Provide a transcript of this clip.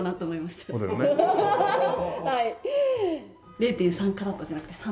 ０．３カラットじゃなくて３